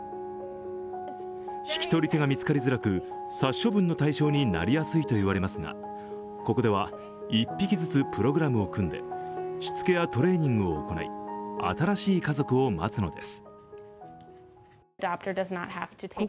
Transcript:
引き取り手が見つかりづらく、殺処分の対象になりやすいと言われますがここでは１匹ずつプログラムを組んでしつけやトレーニングを行い、新しい家族を待つのです。